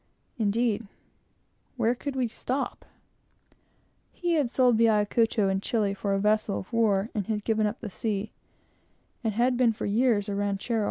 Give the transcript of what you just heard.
indeed, where could we stop? He had sold the Ayacucho in Chili for a vessel of war, and had given up the sea, and had been for years a ranchero.